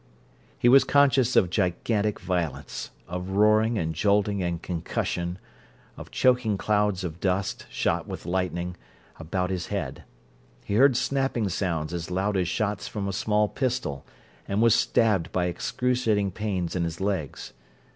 He was conscious of gigantic violence; of roaring and jolting and concussion; of choking clouds of dust, shot with lightning, about his head; he heard snapping sounds as loud as shots from a small pistol, and was stabbed by excruciating pains in his legs.